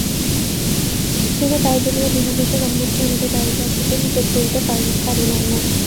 কিন্তু তাই বলিয়া বিনা দোষে রহমতকে আমাদের বাড়িতে আসিতে নিষেধ করিতে পারিলাম না।